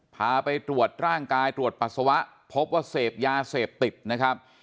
พาไปตรวจร่างกายตรวจปัสสาวะพบว่าเสพยาเสพติดนะครับ